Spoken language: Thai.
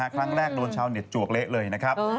ครั้งแรกโดนชาวเน็ตจวกเละเลยนะครับ